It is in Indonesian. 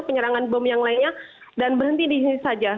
penyerangan bom yang lainnya dan berhenti di sini saja